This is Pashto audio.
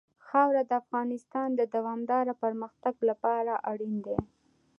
خاوره د افغانستان د دوامداره پرمختګ لپاره اړین دي.